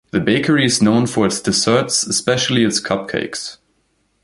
The bakery is known for its desserts, especially its cupcakes.